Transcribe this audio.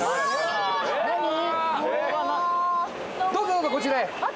どうぞどうぞこちらへ。